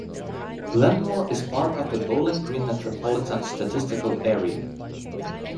Glenmore is part of the Bowling Green Metropolitan Statistical Area.